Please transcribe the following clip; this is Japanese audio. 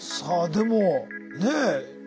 さあでもねえ